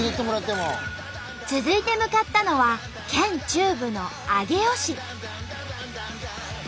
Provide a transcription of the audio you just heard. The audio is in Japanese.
続いて向かったのは県中部の上尾市。